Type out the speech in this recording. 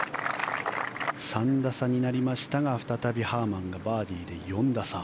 ３打差になりましたが、再びハーマンがバーディーで４打差。